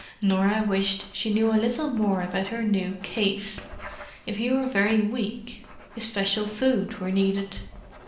Norah wished she knew a little more about her new "case"; if he were very weak—if special food were needed.